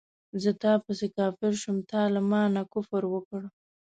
زه تا پسې کافر شوم تا له مانه کفر وکړ